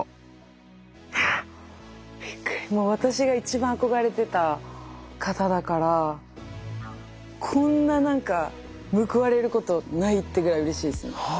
私が一番憧れてた方だからこんな何か報われることないってぐらいうれしいですよね。